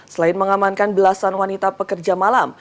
selain mengamankan belasan wanita pekerja malam